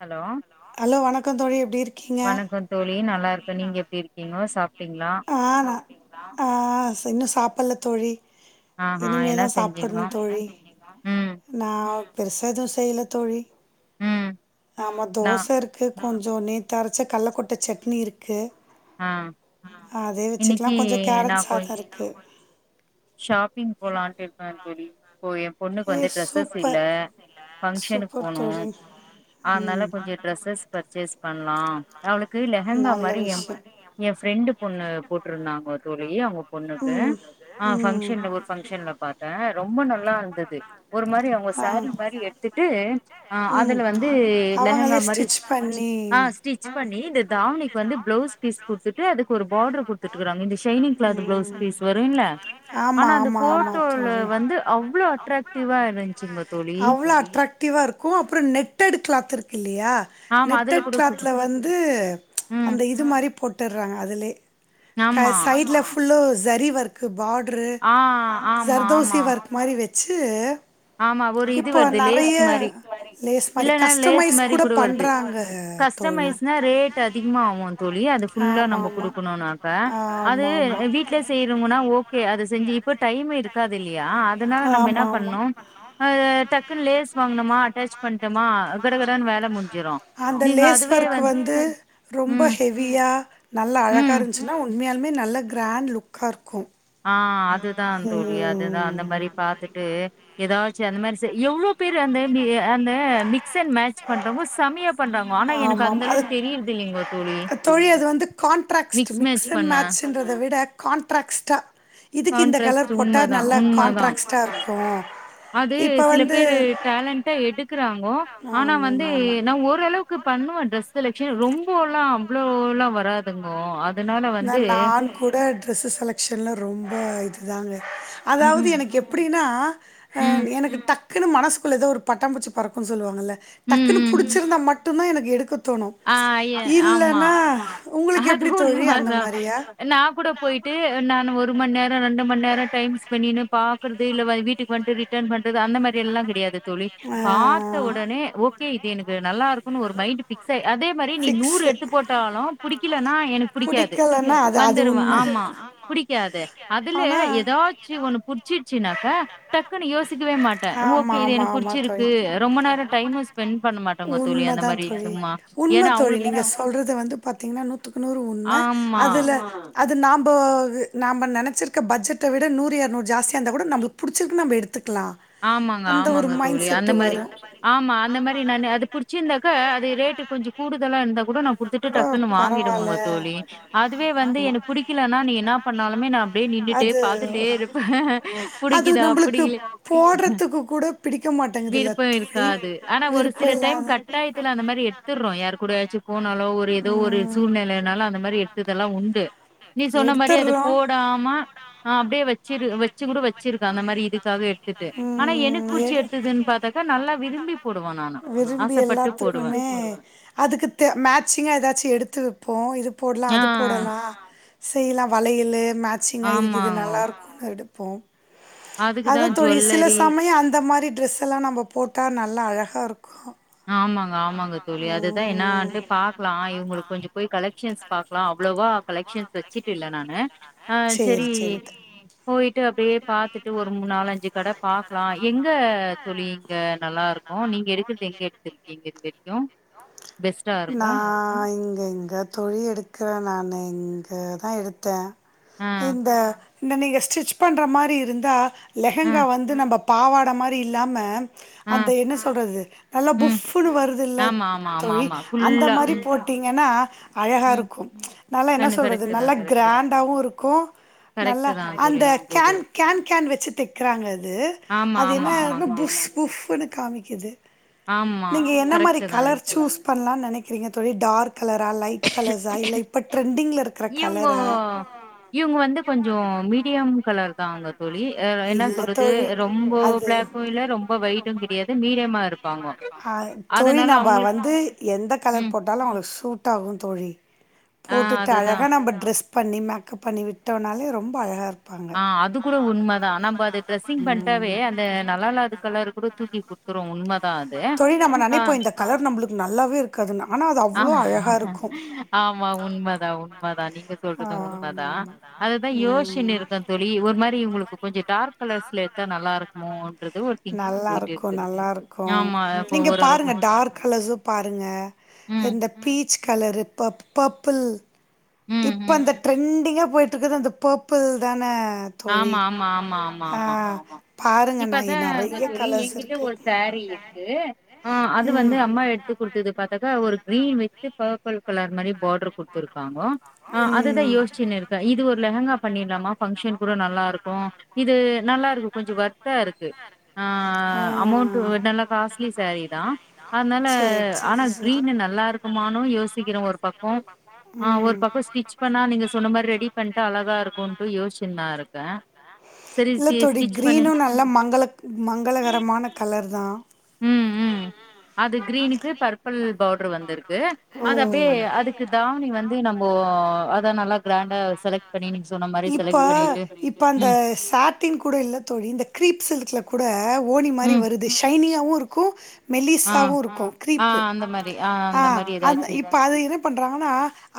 Hello hello வணக்கோ தோழி எப்டி இருக்கீங்க வணக்கோ தோழி நல்லாருக்க நீங்க எப்டி இரு க்கீங்கோ சாப்ட்டீங் ஆ நா ஆ இன்னு சாப்புல்ல தோழி ஆஹா என்ன இனிமேதா சாப்படணு செஞ்சீங்கோ தோழி ம் நா பெருசா எது செய்ல தோழி ம் ஆமா நா தோச இருக்கு கொஞ்ச நேத்து அரைச்ச கல்ல கொட்ட சட்னி இருக்கு ஆ அதே வச்சுக்லா இன்னிக்கி கொஞ்ச நா கேரட் சாத கொஞ் இருக்கு ஷாப்பிங் போலான்ட்டு இருக்க தோழி இப்போ எ பொண்ணுக்கு ஏ வந்து டிரெஸ்ஸஸ் இல்ல சூப்பர் ஃபங்க்ஷனுக்கு சூப்பர் போனு தோழி அதனால ம் கொஞ்ச ட்ரெஸ்ஸஸ் பர்ச்சேஸ் பண்லா அவளுக்கு லெஹங்கா நல்ல மாரி யம் விஷயம் எ ஃப்ரெண்டு பொண்ணு போட்ருந்தாங்க தோழி அவுங்க பொண்ணுக்கு ஆ ம் ம் பங்க்ஷன்ல ஒரு பங்க்ஷன்ல பாத்த ரொம்ப நல்லா இருந்துது ஒரு மாரி அவுங்க சாரி ஆ மாரி எ த்துட்டு ம் அதுல வந்து லெஹங்கா அவங்களே மாரி ஸ்டிச் பண்ணி ஆ ஸ்டிச் பண்ணி இந்த தாவணிக்கு வந்து ப்ளவுஸ் பீஸ் குட்த்துட்டு அதுக்கு ஒரு பார்டர் குட்துட்டுகிறாங்க இந்த ஷைனிங் க்ளாத் ப்ளவுஸ் பீஸ் வரு இல்ல ஆமா ஆனா அந்த ஆமா ஆமா போட்டோல தோழி வந்து அவ்ளோ அட்ராக்டிவா இருந்துச்சுங்க தோழி எவ்ள அட்ராக் டிவா இருக்கு அப்ற நெட்டட் க்ளாத் இருக்கு இல்லையா ஆமா அதுல நெட்டட் கூட சூப்ப க்ளாத்ல வந்து ம் அந்த இது மாரி போட்டுற்றாங்க அதுலே க ஆமா சைட்ல ஃபுல்லோ ஷரி ஒர்க் கு பார்ட்ரு ஆ ஆமா சர்தோசி ஆமா ஒர்க் மாரி வச்சு ஆமா ஒரு இது இப்போ வருது வந் லேஸ் நறைய மாரி லேஸ் மாரி இல்லன்னா லேஸ் கஸ்டமைஸ் மாரி கூட வருது பண்றாங்க தோழி கஸ்டமைஸ்னா ரேட் அதிகமா ஆவுமா தோழி அது ஃபுல்லா நம்ம குடுக்குணுனாக்க அது குடுக்கணும்னாக்க வீட்ல செய்றோவ்ங்கன்னா ஓகே அது செஞ்சு இப்ப டைம் இருக்காது இல்லையா அதனால நம்ப இன்ன அவுங்க இன்னா பண் அது டக்குன் லேஸ் வாங்னமா அட்டாச் பண்ட்டேமா கடகடன்னு வேல முடிஞ்சிரு அந்த நீங்க லேஸ் அதுவே ஒர்க்கு வந்து ரொம்ப ம் ஹெவியா நல்லா அழகாக ம் இருந் ச்சுனா உண்மையாலுமே நல்ல கிராண்ட் லுக்காக இருக்கு ஆ அதுதா தோழி அதுதா அந்த மாரி பாத்துட்டு ஏதாச்சு அந்த மாரி செய் எவ்ளோ பேரு அந்த மி அந்த மிக்ஸ் அண்ட் மேட்ச் பண்றவுங்க செமய பண்ணாங்கோ ஆனா எனக்கு அந்த அளவுக் தெரியர்தில்லிங்கோ தோழி மிக்ஸ் மேட்ச் பண்ண ன்றத விடக் கான்ட்ராக்ஸ்ட்டா இதுக்கு இந்த கான்ட்ராஸ்ட் கலர் போட்டா உண்மதான், நல்லா உண்மதான். கான்ட்ராக்ஸ்ட்டா இருக்கு அது இப்ப சில வந்து பேரு டேலண்டா எடுக்கிறாங்கோ ஆனா வந்து நா ஓரளவுக் கு பண்ணுவ டிரெஸ் செலக்ஷன் ரொம்போலா அவ்ளோவோல வராதுங்கோ அத் த நா கூட டிரெஸ்ஸு செலக்ஷன்ல ரொம்ப இதுதாங்க ம், அதாவ்து ம், எனக்கு எப்டினா அ ம், எனக்கு டக் க்குனு மனசுக்குள்ள ஏதொ ஒரு பட்டாம்பூச்சி பறக்கு சொல்வாங்கல்ல ம், டக்குனு ம். புடுச்சிருந்தா மட்டுந்தா எனக்கு எடுக்க தோணு ஆ எ இல்லனா உங்களுக்கு எப்டி தோழி அத் த நா கூட போயிட்டு நானு ஒரு மண் நேர ரெண்டு மண் நேர டைம்ஸ் பெண்ணினு பாக்றது இல்ல வற வீட்டுக்கு வன்ட்டு ரிட்டர்ன் ப அதுதா அந்த மேரி எல்லா கிடையாது தோழி பாத்த உடனே ஓகே இது எனக்கு நல்லா இருக்குனு ஒரு மைண்ட் பிக்ஸ் ஆய்டு அதே மாரி நீ ஃபிக்ஸ் நூறு எத் த்து போட்டாலு இல்லனா எனக் புடிக்காது புடிக்கலனா எனக்கு புடிக்காது வந்துருவே வந்துருவ ஆமா புடிக்காது அதுல ஏதாவ் அ ச்சி ஒன்னு புட்ச்சிச்சினாக்கா டக்குனு யோசிக்கவே மாட் ட ஆமா ஓகே இது ஆமா எனக்கு ஆமா புட்ச்சிருக்கு தோழி ரொம்ப நேர டைமு ஸ்பெண்ட் பண்ண மாட்டோங்க தோழி அந்த உண்மதா மாரி தோழி சும்மா உண்ம ஏன்னா தோழி அவங்களுக்கு நீங்க சொல்றது வந்து பாத்தீங்னா நூத்துக்கு நூறு உண்ம ஆமா. அதுல அது நாம்ப நாம நெனச்சிருக்க பட்ஜெட்ட விட நூறு இரநூறு ஜாஸ்தியா இருந்தா கூட நம்பளுக் புடிச்சிருக்குன நம்ப எடுத்துக்லா ஆமாங்க ஆமாங்க தோழி அந்த மாரி ஆமா அந்த மாரி நானு அது புடிச்சிருந்தாக்கா அது ரேட்டு கொஞ்சோ கூடுதலா இர்ந்தா கூட நா குடுத்துட்டு கூட டக்குன் பரவால்ல வாங்கிடுவோங்க தோழி அதுவே வந்து எனக்கு புடிக்கிலனா நீ என்னா பண்ணாலுமே நா அப்டியே நின்னுட்டே அது பாத்துட்டே எப்பயுமே காசு இருப்பே அது புடிக்குதா நம்மளுக்கு புடிக்கில போடுறதுக்கு கூட பிடிக்க மாட்டேங்குதுல்ல விருப்போ தோழி இருக்காது ஆனா ஒரு விருப்ப சில டைம் இல்லாத கட்டாயத் துல அந்தமாரி எட்த்துற்றோ யாரு கூடாயாச்சு போனாலு ஒரு எதோ ஒரு ம் சூழ்நிலைனாலு அந்த மாரி எட்த்ததெல்லா உண்டு நீ சொன்ன மாரி அது எடுத்துர்றோ போடாம ஆ அப்டே வெச்சிரு வெச்சு கூட வெச்சிருக்கே அந்த மாரி இதுக்காக எட்த்துட்டு இது ஆனா எனக் புடிச்சி எட்த்துதுன் பாத்தாக்கா நல்லா விரும்பி போடுவே நானு ஆசப்பட்டு போடுவே அ அதுக்கு த மேச்சிங்கா எதாச்சு எடுத்து வெப்போ இது போட்லா ஆ அது போடலா செய்யலா வளையலு மேட்சிங்கா இதுக்கு இது ஆமாங்கோ நல்லாருக்குனு எடுப்போ அதுக்குதா அதா தோழி சில ஜுவல்லரி சமயோ அந்த மாரி ட்ரெஸ் இதெல்லா நம்ம போட்டா நல்லா அழகா இருக்கு ஆமாங்க ஆமாங்க தோழி அதுதா என்னான்ட்டு பா க்லா இவுங்களுக் கொஞ்சோ போய் கலெக்ஷன்ஸ் பாக்கலா அவ்ளவா கலெக்ஷன்ஸ் வெச்சுட்டு இல்ல நானு ஆ செரி போயிட்டு அப்டியே பாத்துுட்டு ஒரு மூ நாலஞ்சு கட பாக்கலா எங்க தோழி இங்க நல்லாருக் கு நீங்க எடுக்கிற்து எங்கே எடுத்துருக்கீங்க இது வெரிக்கு பெஸ்ட்டா இருக்கு நா இங்க எங்கே தோழி எடுக்குறே நானு இங்கதா எடுத்தே ஆ, இந்த இந்த நீங்க ஸ்டிச் பண்ற மாரி இருந்தா ஆ, லெகெங்கா வந்து நம்ப பாவாட மாரி இல்லாம ஆ, அந்த என்ன சொல்றது நல்லா ம். புஃபுனு வருதில்ல ஆமா, ஆமா, ஆமா, தோழி ஆமா. அந்த ஃபுல்லா மாரி ம், எட்தீங்கனா அழகா ம். இருக்கும் நல்லா என்னா கண்ணு சொல்றது கரெக்ட்டு நல்ல தான், கரெக்ட்டு தான். கிராண்டாவு இருக்கு நல்லா கரெக்ட்டு தான் தோழி அந்த நீங்க கேன் சொல்றது. கேன் கேன் வெச்சு தெக்கிறாங்க அது ஆமா, அது ஆமா, என்னன ஆமாங்க தோழி. புஃப் புஃப்புனு காமிக்கிது ஆமா. நீங்க என்ன மாரி கரெக்ட்டு தான் கலர் நீங்க சொல் சூஸ் பண்லான் நெனைக்கிறீங்க தோழி டார்க் கலரா லைட் கலர்ஸா இல்ல இப்ப ட்ரெண்டிங்ல இரு இவுங்கோ கலர் தாங்க தோழி. அ என்ன இல்ல சொல்றது தோழி ரொம்ப அது பிளாக்கும் இல்ல, ரொம்ப ஒயிட்டும் கிடையாது. மீடியமா இருப்பாங்கோ. அ தோழி அதனால நம்ப அவங்களுக்கு வந்து எந்த கலர் ம். போட் டாலு அவளுக் சூட்டாகு தோழி ஆ போட்டுட்டு அதுதான். அழகா நம்ப ட்ரெஸ் பண்ணி மேக்கப் பண்ணி விட்டோனாலே ரொம்ப அழகா இரு ஆ அது கூட உண்மதா நம்ப அது டிரரெஸ்ஸிங் பண்ட்டாவே அந்த நல்லா இல்லாத கலரு கூட தூக்கி குடு த்துரு உண்மதா அது தோழி நம்ம ஆ நினைப்போம் இந்த கலர் நம்பளுக்கு நல்லாவே இருக் காது ஆனா அது ஆ அவ்வளோ அழகா இருக்கு ஆமா. உண்மதான், உண்மதான். நீங்க ஆ சொல்றதும் ஆமா உண்மதான். ஆமா தா அதுதான் [unintelligible] யோசிச்சுன்னு இருக்கேன் யோஸ்ச்சினிருக்கே ஒரு தோழி இவ உங்களுக்கு மாரி கொஞ்சம் இவளுக்கு கொஞ்சோ டார்க் எடுத்தா கலர்ஸ்ல நல்லா எட்த்தா இருக்குமோன்றது ஒரு திங்கிங் போயிட்டு நல்லாருக்கு இருக்கு. நல்லாருக்கு ஆமா. நல்லாருக்கு இப்போ நீங்க ஓரளவுக்கு பாருங்க நான் டார் டார்க் கலர்ஸு பாருங்க ம், இந்த பீச் கலரு பப் பர்பிள் ம், இப்ப ம். அந்த ட்ரெண்டிங்கா போய்ட்ருக்கது அந்த பேபிள் தான தோழி ஆமா ஆமா ஆமா ஆமா ஆ ஆமா பாருங்க நா இப்பதாங்க நெறைய தோழி கலர்ஸ் எங்கிட்ட இருக்கு ஒரு சேரீ இருக்கு ஆ அது வந்து அம்மா எட்த்து குடுத்தது பாத்தக்கா ஒரு கிரீன் வித்து பேபிள் கலர் மாரி பாட்ரு குட்த்துருக்காங்கோ ஆ அதுதா யோஸ்ச்சுன்னிருக்கே இது ஒரு லெஹங்கா பண்ணிட்லாமா ஃபங்க்ஷன் கூட நல்லாருக்கு இது நல்லா இருக்கு கொஞ்சோ வர் இருக்கு அ ஆ அமௌண்ட் நல்ல காஸ்லி சாரீ தா அதனால ஆனா கிரீன் நல்லா இருக்குமான்னு யோசிக்கிற ஒரு பக்க ஆ ஒரு பக்க ஸ்டிச் பண்ணா நீங்க சொன்ன மாரி ரெடி பண்ணிட்டு அழகா இருக்கு யோசிச்சுதா இருக்க இல்ல தோழி கிரீனு நல்லா மங்கள மங்களகரமான கலர் தா ம் அது கிரீனுக்கு பர்பிள் பவுடர் வந்திருக்கு அத அப்டியே அது அதுக்கு தாவணி வந்து நம்ம அத நல்லா கிராண்டா செலக்ட் பண்ணி நீங்க சொன்ன மாரி இப்ப செலக்ட் பண்ணிட்டு இப்ப அந்த ம் சாட் கூட இல்லத்தோழி இந்த கிரீப் சில்க்ல கூட ஓனி மாரி ம் வருது ஷைனியாவு இருக்கு ஆ மெலிஸாவு இருக்கு ஆ கீரீப்பு அந்த மாரி ஆ அந்த மாரி இப் ஏதாச்சி இப்ப அத என்ன பண்றாங்கன்னா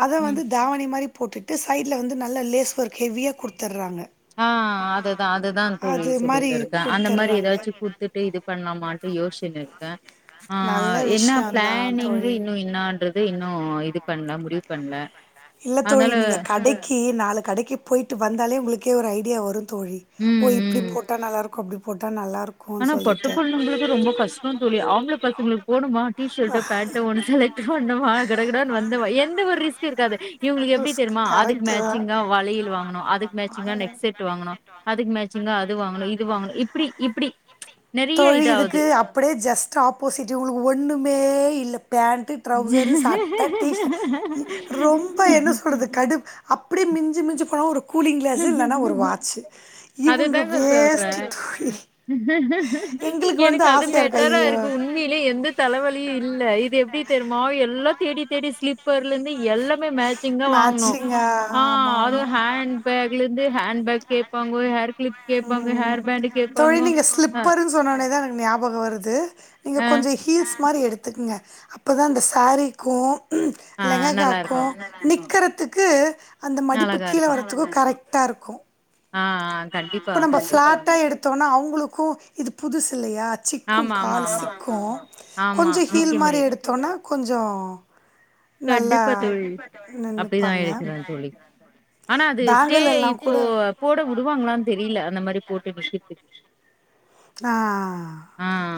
அத ம் வந்து தாவணி மாரி போட்டுட்டு சைட்ல வந்து நல்ல லேஸ் வரு ஹெவியா கொடுத்துடுறாங்க ஆ அதுதா அதுதா தோழி மாரி சொல்லிட்டு இருக்க அந்த மாரி குடுத்துர்றாங்க ஏதாச்சு குடுத்துட்டு இது பண்ணலாமான்ட்டு யோசச்சினு இருக்க ஆ நல்ல என்ன விஷயந்தா பிளானிங்க் தோழி இன்னு என்னாறது இன்னு இது பண்ணல முடிவு பண்ணல இல்லத்தோழி நீங்க கடைக்கு நாலு கடைக்கு போயிட்டு வந்தாலே உங்களுக்கே ஒரு ஐடியா வரு தோழி ஓ ம் இப்டி ம் போட்டா நல்லாயிருக்கு அப்டி போட்டா நல்லாயிருக்கு ஆனா பட்டு பொண்ணுங்களுக்கு ரொம்ப கஷ்ட தோழி அவங்க ஆம்பள பசங்களுக்கு போனுமா டி ஷர்ட்டோ பேண்டோ ஒன்னு செலக்ட் பண்ணமா கடடனு வந்தமா எந்த ஒரு ரிஸ்க் இருக்காது இவங்களுக்கு எப்டி தெரியுமா அதுக்கு கரெக்ட்டு மேட்சிங்கா தா வலையல் வாங்கணும அதுக்கு மேட்சிங்கா நெக் செட் வாங்கணு அதுக்கு மேச்சிங்கா அது வாங்கணு இது வாங்கணு இப்டி இப்டி நெறைய இதாவுது. தோழிதுக்கு அப்டியே ஜஸ்ட் ஆப்போசிட் இவங்களுக்கு ஒண்ணுமே இல்ல பேண்டு ட்ரௌசரு சட்ட டிஷர்ட் ரொம்ப என்ன சொல்றது கடுப் அப்டியே மிஞ்சி மிஞ்சி போனா ஒரு கூலிங் கிளாஸ் இல்லன்னா ஒரு வாட்ச் இவங்க அதுதாங்க சொல்றே. வேஸ்ட் தோழி எங்களுக்கு வந்து எனக்கு அது ஆசையா இருக்கு பெட்டரா ஐயோ இருக்குமுன்னு உம்மையில எந்த தலைவலியு இல்ல இது எப்டி தெரியுமா எல்லா தேடி தேடி ஸ்லிப் பர்லே இருந்து எல்லாமே மேச்சிங்கா வாங்கனு மேட்சிங்கா ஆ ஆமா அது ஆமா ஹேண்ட் பேக்ல இருந்து ஹேண்ட் பேக் கேட்பாங்க ஹேர் கிளிப் கேட்பாங்க ஹேர் பேண்ட் கேட்பாங்க அ சொன்னோனதா எனக்கு ஞாபக வருது நீங்க அ, கொஞ்ச ஹீல்ஸ் மாதிரி எடுத்துக்குங்க அப்பதா இந்த சாரிக்கு ஆ லெகங் நல்லாருக்கும். நிக்கறதுக்கு அந்த மடிப்பு அழகா கீழ இருக்கும். வரதுக்கு கரெக்டா இருக்கு ஆ ஆ இப்ப கண்டிப்பாங்க நம்ப தோழி. ஃப்ளாட்டா எடுத்தோம்னா அவங்களுக்கு இது புதுசு இல்லயா சிக்கு ஆமா, ஆமா, கால் ஆமா. சிக்கு ஆமா. கொஞ்ச ஹீல் நிக்க மாதிரி முடியாது. எடுத்தோனா கொஞ்ச கண்டிப்பா தோழி அப்டிதா நின்னுப்பாங்க எழுக்கிற தோழி ஆனா அது ஸ்டே பேங்கிள் எல்லா இப்போ கூட போட வுடுவாங்களான்னு தெரில அந்த மாதிரி போட்டு நிஷயத்துக்கு ஆ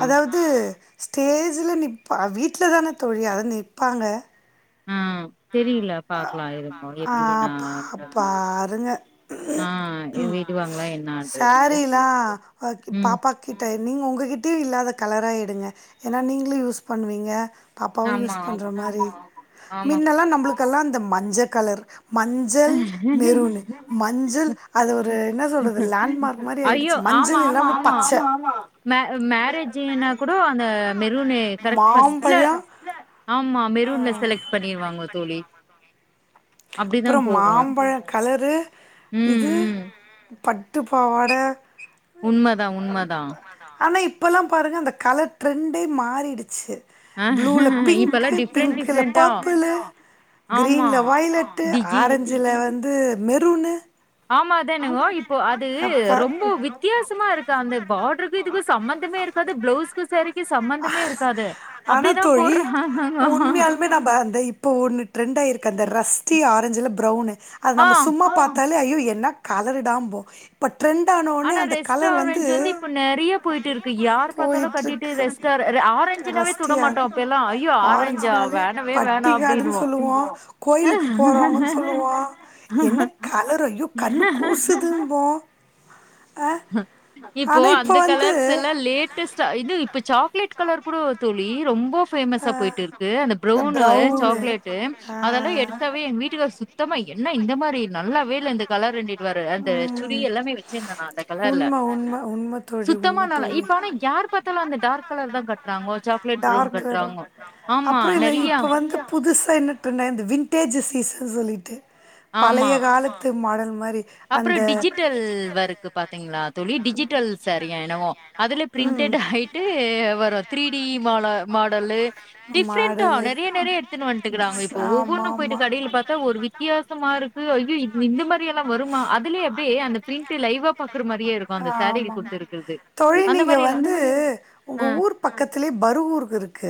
அதாவது அது ஸ்டேஜில நிற்ப வீட்டில தான தோழி அத நிற்பாங்க ஆ தெரியில பாக்கலா இருங்கோ ஆ எப்டி பா என்னானுட்டு பாருங்க ஆ விடுவாங்களா என்னன்றதுக்கு சாரீலா ம் பாப்பா கிட்ட நீங்க உங்ககிட்ட இல்லாத கலரா எடுங்க ஏன்னா நீங்களு யூஸ் பண்ணுவீங்க அப்பாவு ஆமா யூஸ் பண்ற ஆமா மாரி ஆமாங்க மின்னல்லா நம்மளுக்கு எல்லா அந்த மஞ்ச கலர் மஞ் சள் மெருனு மஞ்சள் அது ஒரு என்ன சொல்றது லேண்ட்மார்க் மாரி ஆயிடுச்சு மஞ்சள் இல்ல ம ஆமா ஆமா பச்ச மே மேரேஜுன்னா கூடோ அந்த மெருனு கரெக்ட் ஃபர்ஸ்ட்ல மாம்பழ ஆமா மெரூன்ல செலக்ட் பண்ணிருவாங்க தோழி அப்டிதா அப்புற போகும் மாம்பழ கலரு ம் இது ம் பட்டு பாவாட உண்மதா உண்மதா ஆனா இப்பல்லா பாருங்க அந்த கலர் ட்ரெண்டே மாறிடுச்சு ப்ளூல பிங்க் இப்பல்லா டிஃப்ரெண்ட் பிங்க்ல டிஃப்ரெண்டா பர்பிளு ஆமா கிரீன்ல வைலட் டு டிஜி ஆரஞ்சல வந்து மெரூனு ஆமா அது என்னங்கோ இப்போ அது ரொம்ப வித்தியாசமா இருக்கு அந்த பார்டருக்கு இதுக்கு சம்மந்தமே இரு க்காது பிளவுஸ்ஸுக்கு சேரிக்கு சம்மந்தமே இருக்காது அப்டி தா போடுறாங்க நம்ப அந்த இப்போ ஒன்னு ட்ரெண்ட் ஆயிருக்கு அந்த ரஸ்டி ஆரஞ்சுல பிரவுனு அது ஆ நம்ம சும்மா பாத் தாலே ஐயோ என்ன கலருடாம்போ இப்ப ட்ரெண்ட் ஆனோனே ஆனா அந்த ரெஸ்ட் கலரு வந்து ஆரஞ்ச் இப்ப நெறைய போயிட்டு இருக்கு. யார் பார்த்தாலும் கட்டிட்டு போய்ட்ருக்கு ரெஸ்ட் ஆர ஆரஞ்சுனாவே ரஸ்ட்டி ஆர தொடமாட்டோம் அப்பலாம். ஐயோ! ஆரஞ்சா ஆரஞ்சுனாலே வேணவே வேணாம் பட்டிகாடுன்னு அப்படின்னுவோம். சொல்லுவோ கோயிலுக்கு போறாங்கன்னு சொல்லுவோ என்ன கலரு ஐயோ கண்ணு கூசுதுன் போ இப்போ ஆனா இப்ப அந்த வந்து கலர்ஸ் எல்லா லேட் டஸ்டா இது இப்ப சாக்லேட் கலரு கூடோ தோழி ரொம்போ ஃபேமஸா ஆ போயிட்டு இருக்கு அந்த இந்த ப்ரவுனு ப்ரௌனு சாக்லேட்டு அதெல்லா ஆ எடுத் தாவே எங்க வீட்டுக்காரு சுத்தமா என்ன இந்த மாரி நல்லாவே இல்ல இந்த கலர் ரெண்டு வரு அந்த சுடி எல்லாமே வச்சுருந்தே நா கலர்ல உண்ம உண்ம உண்ம தோழி சுத்தமா உண்ம நல்லா தோழி இப்ப ஆனா யார் பாத்தாலு அந்த டார்க் கலர் தா கட்டுறாங்கோ சாக்லேட் ப்ரவுன் டார்க் வரும் கட்டுறாங்கோ ஆமா அப்புறம் இந்த நெறியா இப்போ வந்து புதுசா என்ன ட்ரென்ட் ஆயிரு இந்த விண்டடேஜ் சீசன் சொல்லிட்டு பழைய கால த்து மாடல் மாரி அப்புற அந்த டிஜிட்டல் ஒர்க்கு பாத்தீங்களா தோழி டிஜிட்டல் சேரி எனவோ அதுல பிரிண்டட் ஹையிட்டு வரு த்ரீ டி மாட மாடல்லு மாடலு டிஃப்ரெண்டா மாடலு நெறைய நெறைய எத்துன்னு வந்ட்டுக்குறாங்கோ வந்துட்டாங்க இப்ப ஆமா ஒவ்வொன்னு போயிட்டு ஆமா கடைல பாத்தா ஒரு வி வித்தியாசமா இருக்கு ஐயோ இ இந்த மாரி எல்லா வருமா அதுலயே அப்டியே அந்த ப்ரிண்ட்டு லைவா பாக்குற மாரியே கே இருக்கு அந்த சேரீக்கு ஆமாம் கொடுத்துருக்கு தோழி நீங்க வந்து அ, உங்க ஊர் பக்கத்துலேயே பருவூருக்கு இருக்கு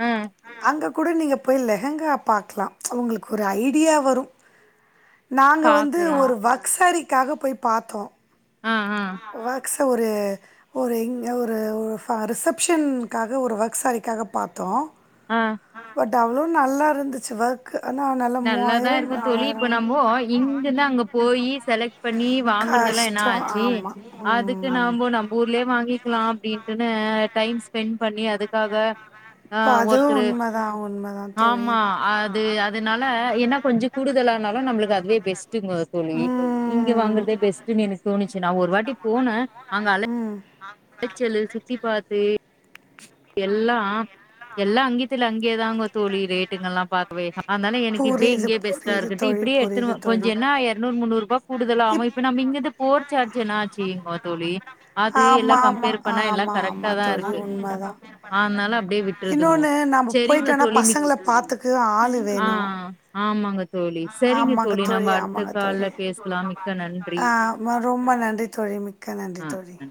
ம் அங்க கூட நீங்க போய் லெஹங்கா பாக்கலா உங்களுக்கு ஒரு ஐடியா வரும் நாங்க வந்து பாக்குறேன். ஒரு வர்க் சாரிக்காக போய் பாத்தோ அ, அ, ம் வக்ச ஒரு ஒரு இங்க ஒரு ஃப ரிசப்ஷன்க்காக ஒரு ஒர்க் சாரிக்காக பாத்தோ ஆ பட் அவ்ளோ நல்லா இருந்துச்சு வர் க்கு ஆனா நல் நல்லாதா இருக்கு தோழி இப்ப நம்போ இங்கிருந்து அங்க போய் செலக்ட் வாங்குறதெல்லா ஏனா கஷ்டம் ச்சு ஆமா அதுக்கு ம் நம்போ நம்ப ஊர்லயே வாங்கிக்கலா அப்டின்ட்டுனு டைம் ஸ்பென்ட் பண்ணி அதுக்காக ஆ இப்போ அதுவும் ஒர்த்தரு உண்மைதான் உண்மைதான் தோழி ஆமா அது அது அதனால என்னா கொஞ்சோ கூடுதலானாலு நம்மளுக்கு அதுவே பெஸ்டுங்க தோழி இங்க ம் வாங்கற்தே பெஸ்டுனு எனக்கு தோணுச்சு நா ஒரு வாட்டி போனே அங்க அழ ஆ அலைச்சலு சுத்தி பாத்து எல்லா எல்லா அங்கேத்துல அங்கேதான்ங்க தோழி ரேட்டுங்கெல்லா பாக்கவே அதனால எனக்கு இப்பயே புரியுது இங்கேயா ரொம்ப பெஸ்டா புரியுது பண்ணவே இருக்குன்ட்டு தோழி இப்புடியே புரியுது எடுத்துனுவ தோழி கொஞ்சே என்னா எரநூறு முன்னூறுபா கூடுதலாவு இப்ப நம்ம இங்கேந்து போர சார்ஜு என்ன ஆச்சுங்க ப தோழி அது எல்லா ஆமா கம்பேரு போறதுக்கு பண்ணா எல்லா ஆமா அஞ்சு ரூபா ஆமா குறையுமே. ஆமா கரெக்டாதா தோழி இருக்கு உண்மதா ஆனாலு அப்டியே விட்டுருதுங்கோ இன்னொன்னு நம்ம சரிங்க போயிட்டோனா மிக் பசங்கள பாத்துக்கு ஆளு ஆ வேணு ஆ ஆமாங்க தோ ஆமாங்க தோழி ஆமாங்க தோழி கால்ல பேசலா மிக்க நன்றி ஆ ஆமா ரொம்ப நன்றி தோழி மி க்க நன்றி ஆ தோழி நன்றி